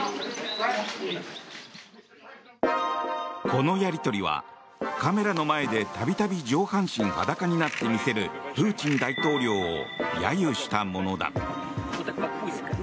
このやり取りは、カメラの前で度々、上半身裸になってみせるプーチン大統領を揶揄したものだ。